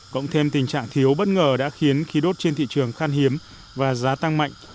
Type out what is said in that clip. cộng thêm tình trạng thiếu bất ngờ đã khiến khí đốt trên thị trường khan hiếm và giá tăng mạnh